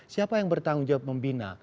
siapa yang bertanggung jawab membina